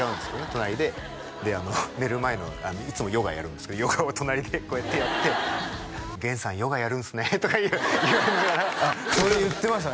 隣でで寝る前のいつもヨガやるんですけどヨガを隣でこうやってやって「源さんヨガやるんすね」とか言われながらそれ言ってました